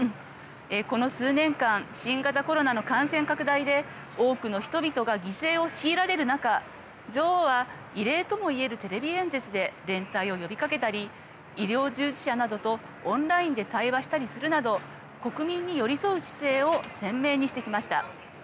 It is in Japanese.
この数年間新型コロナの感染拡大で多くの人々が犠牲を強いられる中女王は異例ともいえるテレビ演説で連帯を呼びかけたり医療従事者などとオンラインで対話したりするなど国民に寄り添う姿勢を鮮明にしてきました。